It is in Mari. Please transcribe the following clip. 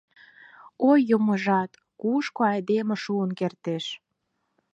Ой, Юмыжат, кушко айдеме шуын кертеш!